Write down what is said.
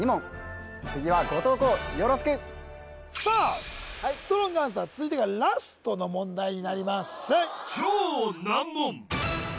次はさあストロングアンサー続いてがラストの問題になります